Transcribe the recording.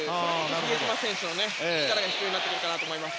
比江島選手の力が必要になってくるかなと思います。